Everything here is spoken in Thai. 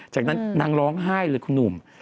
จากนั้นนางร้องไห้เลยคุณหนุ่ม